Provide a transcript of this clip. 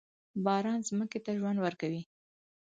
باران ځمکې ته ژوند ورکوي.